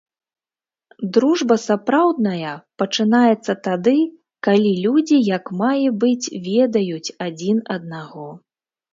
Дружба сапраўдная пачынаецца тады, калі людзі як мае быць ведаюць адзін аднаго.